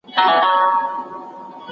پاچا د ماڼۍ له ماڼۍ څخه پر اس سپور شو.